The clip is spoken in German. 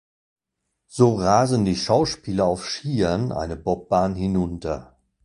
So rasen die Schauspieler auf Skiern eine Bobbahn hinunter.